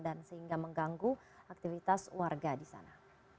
dan sehingga mengganggu aktivitas warga di sana